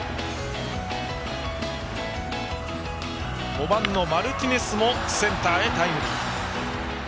５番のマルティネスもセンターへタイムリー。